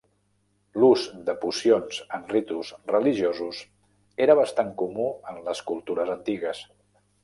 L'ús de pocions en ritus religiosos era bastant comú en les cultures antigues.